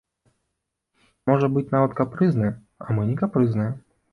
Можа быць нават капрызны, а мы не капрызныя.